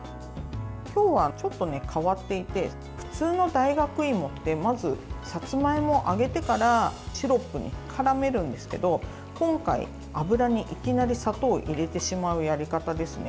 今日はちょっと変わっていて普通の大学いもってまず、さつまいもを揚げてからシロップに絡めるんですけど今回、油にいきなり砂糖を入れてしまうやり方ですね。